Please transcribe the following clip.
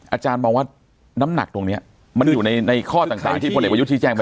อาจารย์มองว่าน้ำหนักตรงนี้มันอยู่ในข้อต่างที่พลเอกประยุทธ์ชี้แจงมา